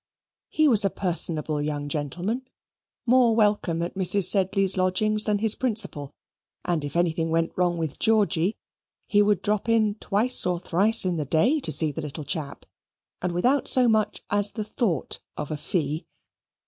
He was a personable young gentleman, more welcome at Mrs. Sedley's lodgings than his principal; and if anything went wrong with Georgy, he would drop in twice or thrice in the day to see the little chap, and without so much as the thought of a fee.